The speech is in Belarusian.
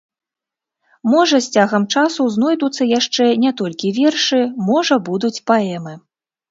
Можа з цягам часу знойдуцца яшчэ не толькі вершы, можа будуць паэмы.